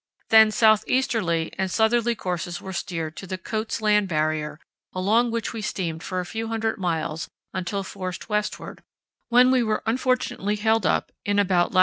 Then south easterly and southerly courses were steered to the Coats' Land barrier, along which we steamed for a few hundred miles until forced westward, when we were unfortunately held up in about lat.